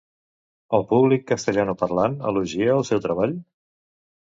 El públic castellanoparlant elogia el seu treball?